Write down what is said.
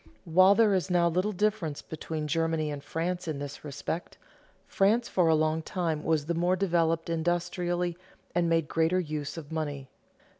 While there is now little difference between Germany and France in this respect, France for a long time was the more developed industrially and made greater use of money.